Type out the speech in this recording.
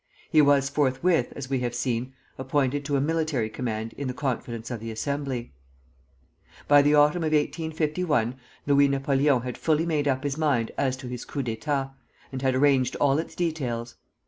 He was forthwith, as we have seen, appointed to a military command in the confidence of the Assembly. By the autumn of 1851 Louis Napoleon had fully made up his mind as to his coup d'état, and had arranged all its details.